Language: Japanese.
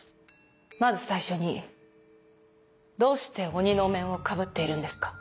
まず最初にどうして鬼のお面をかぶっているんですか？